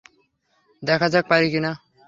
দেখা যাক পারি কিনা।